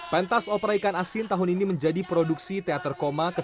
pementasan opera ikan asin tahun ini menjadi produksi teater koma ke satu ratus empat puluh tujuh